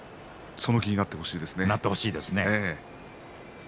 その気になってほしいですね。